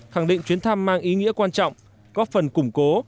khẳng định chuyến thăm mang ý nghĩa quan trọng góp phần củng cố